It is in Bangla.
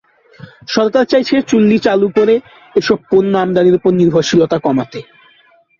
সরকার চাইছে, চুল্লি চালু করে এসব পণ্য আমদানির ওপর নির্ভরশীলতা কমাতে।